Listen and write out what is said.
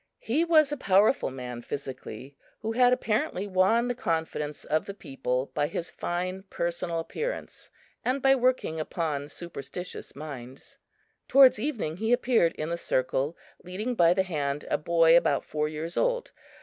He was a powerful man physically, who had apparently won the confidence of the people by his fine personal appearance and by working upon superstitious minds. Towards evening he appeared in the circle, leading by the hand a boy about four years old.